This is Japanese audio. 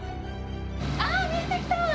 あーっ、見えてきた。